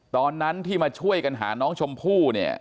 ตอนนั้นที่มาช่วยกันหาน้องชมพู่เนี่ย